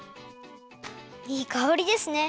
いいかおりですね！